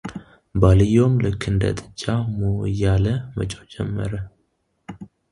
ባልየውም ልክ እንደ ጥጃ ሙ እያለ መጮህ ጀመረ፡፡